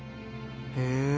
へえ。